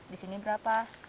di sini berapa